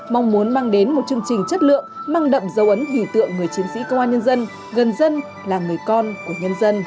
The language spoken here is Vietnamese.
mong muốn mang đến một chương trình chất lượng mang đậm dấu ấn hình tượng người chiến sĩ công an nhân dân gần dân là người con